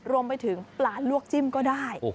รวมไปถึงปลาลวกจิ้มก็ได้